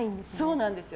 そうなんです